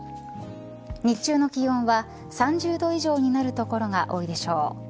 日中の気温は３０度以上になる所が多いでしょう。